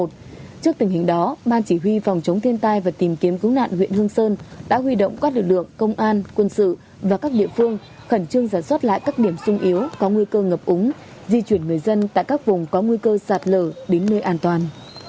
trước tình hình đó ban chỉ huy phòng chống thiên tai và tìm kiếm cứu nạn huyện hương sơn đã huy động các lực lượng công an quân sự và các địa phương khẩn trương giả soát lại các điểm sung yếu có nguy cơ ngập úng di chuyển người dân tại các vùng có nguy cơ sạt lở đến nơi an toàn